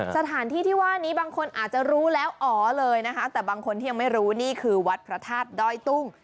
สถานที่ที่ว่านี้บางคนอาจจะรู้แล้วอ๋อเลยนะคะแต่บางคนที่ยังไม่รู้นี่คือวัดพระธาตุด้อยตุ้ง